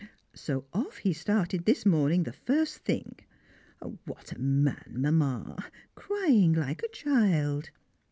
So off he started this morning the first thing. What a man, Mamma! crying like a child!